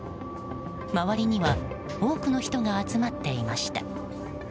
周りには多くの人が集まっていました。